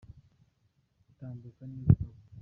Tambuka neza utagwa.